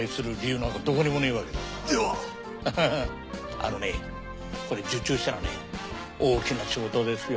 あのねこれ受注したらね大きな仕事ですよ。